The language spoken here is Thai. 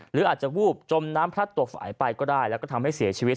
หรืออาจจะวูบจมน้ำพลัดตัวฝ่ายไปก็ได้แล้วก็ทำให้เสียชีวิต